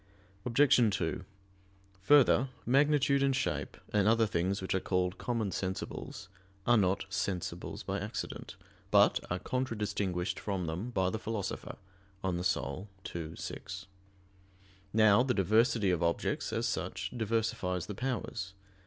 Obj. 2: Further, magnitude and shape, and other things which are called "common sensibles," are "not sensibles by accident," but are contradistinguished from them by the Philosopher (De Anima ii, 6). Now the diversity of objects, as such, diversifies the powers.